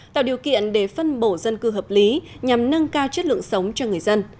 tạo điều kiện để phân bổ dân cư hợp lý nhằm nâng cao chất lượng sống cho người dân